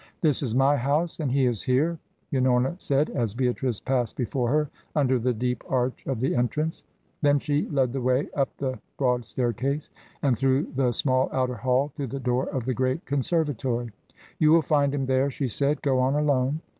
"This is my house, and he is here," Unorna said, as Beatrice passed before her, under the deep arch of the entrance. Then she lead the way up the broad staircase, and through the small outer hall to the door of the great conservatory. "You will find him there," she said. "Go on alone."